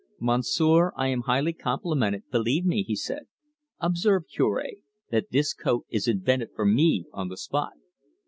"Monsieur, I am highly complimented, believe me," he said. "Observe, Cure, that this coat is invented for me on the spot."